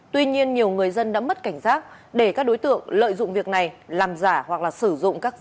tuy nhiên nhiều người dân đã mất cảnh giác để các đối tượng lợi dụng việc này làm giả hoặc là sử dụng các giấy tờ